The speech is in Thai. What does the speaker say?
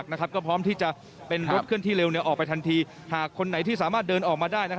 การสงครองสะบาดเดินออกมาได้นะครับ